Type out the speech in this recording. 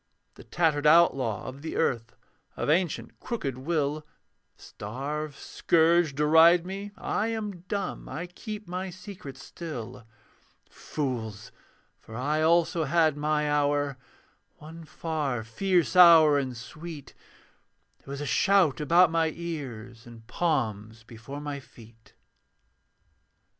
The tattered outlaw of the earth, Of ancient crooked will; Starve, scourge, deride me: I am dumb, I keep my secret still. Fools! For I also had my hour; One far fierce hour and sweet: There was a shout about my ears, And palms before my feet.